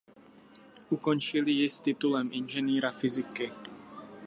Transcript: Ukončil ji s titulem inženýra fyziky.